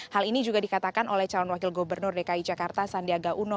hal ini juga dikatakan oleh calon wakil gubernur dki jakarta sandiaga uno